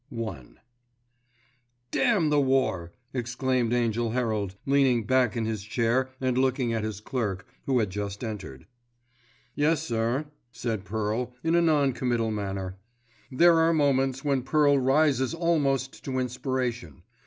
*I* "Damn the war!" exclaimed Angell Herald, leaning back in his chair and looking at his clerk, who had just entered. "Yes sir," said Pearl, in a non committal manner. There are moments when Pearl rises almost to inspiration.